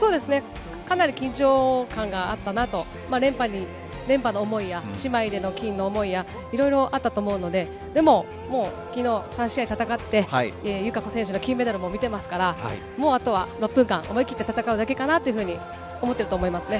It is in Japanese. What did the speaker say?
かなり緊張感があったなと、連覇の思いや、姉妹での金の思いや、いろいろあったと思うので、でももう、きのう３試合戦って、友香子選手の金メダルも見てますから、もうあとは、６分間、思い切って戦うだけかなというふうに思ってると思いますね。